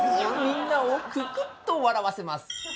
みんなをククッと笑わせます。